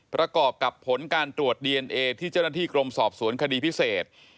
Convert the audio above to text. ประกอบกับผลการตรวจดีเอนเอที่เจ้าหน้าที่กรมสอบสวนคดีพิเศษ